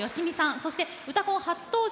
そして「うたコン」初登場